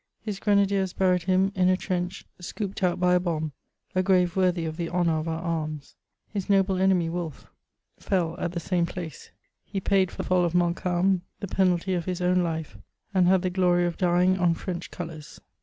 His grenadiers buried him iu a trench scooped out by a bomb ; a grave worthy of the honour of oar arms ! His noble enemy , Wolfe, fell at tlie same place : he paid for the fall of Montcalm the penalty of his own life, and had the glory of dying on French colours.